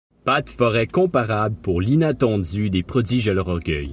Pas de forêt comparable pour l’inattendu des prodiges à leur orgueil.